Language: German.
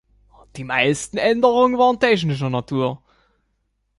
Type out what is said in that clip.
Die meisten Änderungen waren technischer Natur.